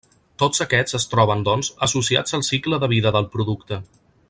Tots aquests es troben, doncs, associats al cicle de vida del producte.